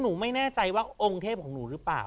หนูไม่แน่ใจว่าอวงเทพคุณหรือเปล่า